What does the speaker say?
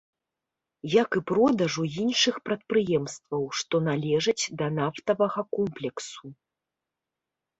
Як і продажу іншых прадпрыемстваў, што належаць да нафтавага комплексу.